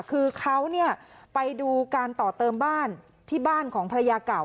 คือเขาไปดูการต่อเติมบ้านที่บ้านของภรรยาเก่า